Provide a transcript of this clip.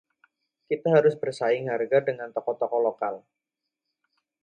Kita harus bersaing harga dengan toko-toko lokal.